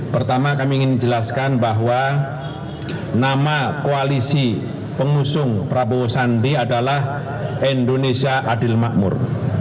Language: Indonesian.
pertama kami ingin jelaskan bahwa nama koalisi pengusung prabowo sandi adalah indonesia adil makmur